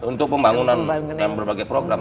untuk pembangunan berbagai program